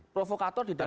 provokator di dalam